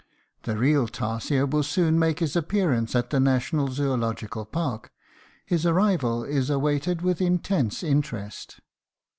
A real tarsier will soon make his appearance at the national zoological park. His arrival is awaited with intense interest.